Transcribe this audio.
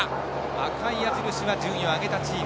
赤い矢印が順位を上げたチーム。